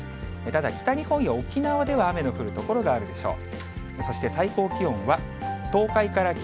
ただ、北日本や沖縄では雨の降る所があるでしょう。